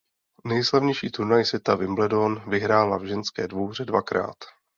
Nejslavnější turnaj světa Wimbledon vyhrála v ženské dvouhře dvakrát.